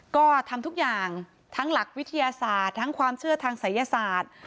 ก็ทำทุกอย่างทั้งหลักวิทยาศาสตร์ทั้งความเชื่อทางศัยศาสตร์